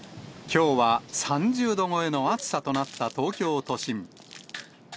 きょうは３０度超えの暑さとなった東京都心。